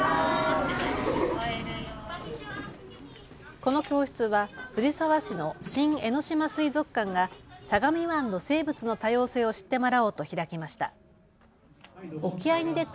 この教室は藤沢市の新江ノ島水族館が相模湾の生物の多様性を知ってもらおうと開きました。